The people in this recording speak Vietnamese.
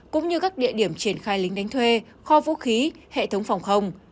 cũng như các địa điểm triển khai lính đánh thuê kho vũ khí hệ thống phòng không